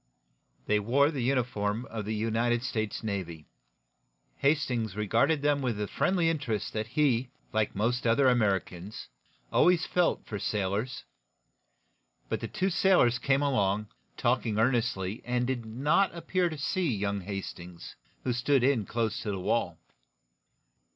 They wore the uniform of the United States Navy. Hastings regarded them with the friendly interest that he, like most other Americans, always felt for sailors. But the two sailors came along, talking earnestly, and did not appear to see young Hastings, who stood in close to the wall.